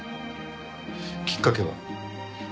きっかけは？